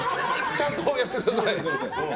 ちゃんとやってください。